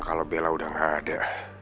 kalau bela udah gak ada